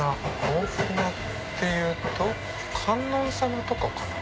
大船っていうと観音様とかかな。